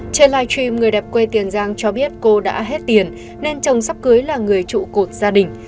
trên live stream người đẹp quê tiền giang cho biết cô đã hết tiền nên chồng sắp cưới là người trụ cột gia đình